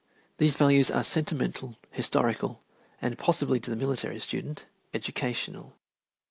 These values are sentimental, historical, and possibly to the military student, educational.